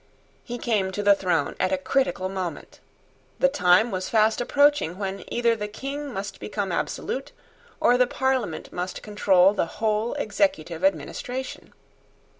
He came to the throne at a critical moment. The time was fast approaching when either the King must become absolute, or the parliament must control the whole executive administration.